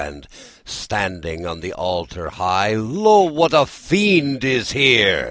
And standing on the altar high, 'Lo, what a fiend is here!